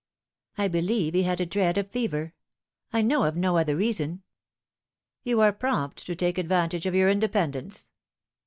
" I believe he bad a dread of fever. I know of no other reason." " You are prompt to take advantage of your independence."